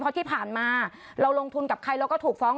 เพราะที่ผ่านมาเราลงทุนกับใครเราก็ถูกฟ้อง